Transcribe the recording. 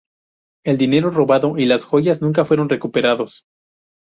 El dinero robado y las joyas nunca fueron recuperados.